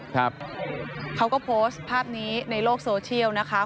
เขาก็โพสต์ภาพนี้ในโลกโซเชียลนะคะ